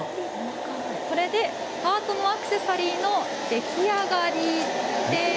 ハートのアクセサリーの出来上がりです。